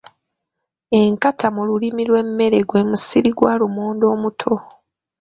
Enkata mu lulimi lw’emmere gwe musiri gwa lumonde omuto.